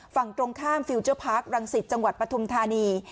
ฝั่งตรงข้ามฟิลเจอร์พาร์ครังสิตจังหวัดปฐุมธานี